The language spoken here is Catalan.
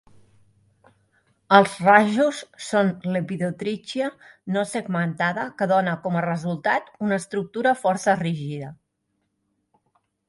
Els rajos són "lepidotrichia" no segmentada, que dona com a resultat una estructura força rígida.